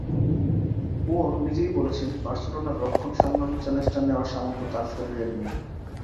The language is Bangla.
পুয়োল নিজেই বলেছেন, বার্সেলোনার রক্ষণ সামলানোর চ্যালেঞ্জটা নেওয়ার সামর্থ্য তাঁর শরীরের নেই।